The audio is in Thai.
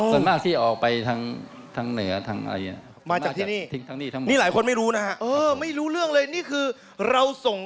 ส่วนมากที่ออกไปทั้งเหนือ